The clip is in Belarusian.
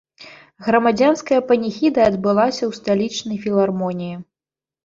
Грамадзянская паніхіда адбылася ў сталічнай філармоніі.